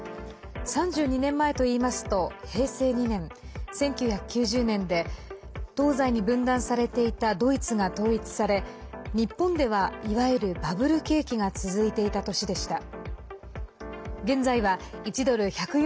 ３２年前といいますと平成２年、１９９０年で東西に分断されていたドイツが統一され日本では、いわゆるバブル景気が続いていた年でした。